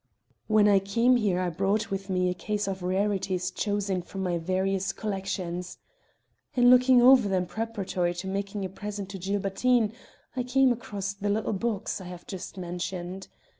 "When I came here, I brought with me a case of rarities chosen from my various collections. In looking over them preparatory to making a present to Gilbertine, I came across the little box I have just mentioned.